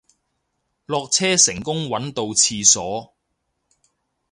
落車成功搵到廁所